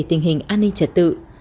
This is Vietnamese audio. tình hình an ninh trật tự